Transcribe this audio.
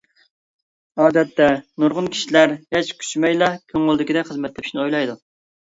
ئادەتتە، نۇرغۇن كىشىلەر ھېچ كۈچىمەيلا، كۆڭلىدىكىدەك خىزمەت تېپىشنى ئويلايدۇ.